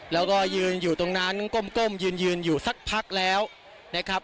แล้วก็ยืนอยู่ตรงนั้นก้มยืนอยู่สักพักแล้วนะครับ